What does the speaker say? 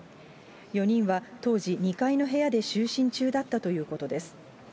４人は当時、２階の部屋で就寝中だったということです。